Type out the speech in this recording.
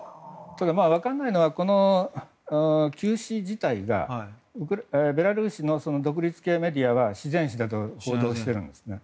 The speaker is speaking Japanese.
わからないのは急死自体がベラルーシの独立系メディアは自然死だと報道しているんですね。